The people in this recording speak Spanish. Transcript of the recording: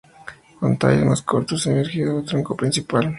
Con tallos más cortos emergiendo del tronco principal.